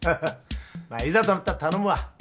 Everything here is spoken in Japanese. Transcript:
まあいざとなったら頼むわ。